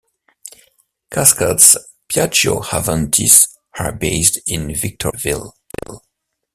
Cascades's Piaggio Avantis are based in Victoriaville.